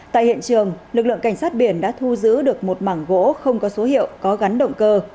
tại hiện trường lực lượng cảnh sát biển đã thu giữ được một mảng gỗ không có số hiệu có gắn động cơ